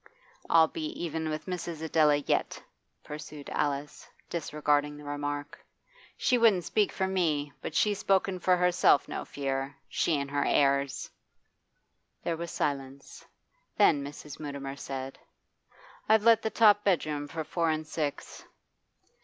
'I'll be even with Mrs. Adela yet,' pursued Alice, disregarding the remark. 'She wouldn't speak for me, but she's spoken for herself, no fear. She and her airs!' There was silence; then Mrs. Mutimer said: 'I've let the top bedroom for four and six.